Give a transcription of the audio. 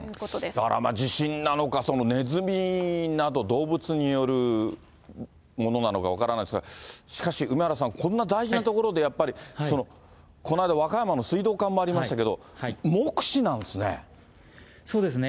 だから地震なのか、ネズミなど動物によるものなのか分からないですが、しかし梅原さん、こんな大事な所で、やっぱり、この間、和歌山の水道管もありましたけれども、目視なんすね。